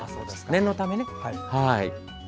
念のためね。